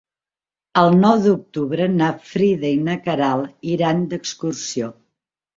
El nou d'octubre na Frida i na Queralt iran d'excursió.